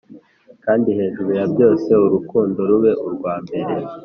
kandi hejuru ya byose urukundo rube urwa mbere.